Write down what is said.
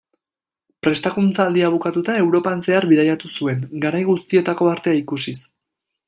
Prestakuntza-aldia bukatuta, Europan zehar bidaiatu zuen, garai guztietako artea ikusiz.